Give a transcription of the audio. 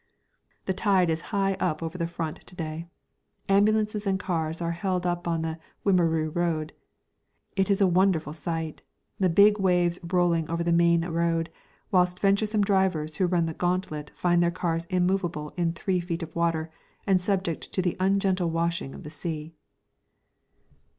The tide is high up over the front to day. Ambulances and cars are held up on the Wimereux road. It is a wonderful sight, the big waves rolling over the main road, whilst venturesome drivers who run the gauntlet find their cars immovable in three feet of water and subject to the ungentle washing of the sea.